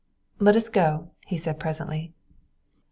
"Let us go," he said presently.